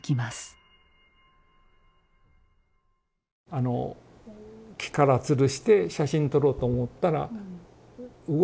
あの木からつるして写真撮ろうと思ったら動いちゃうんですね。